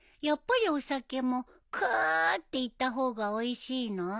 やっぱりお酒も「くぅ」って言った方がおいしいの？